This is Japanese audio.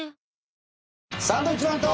サンドウィッチマンと。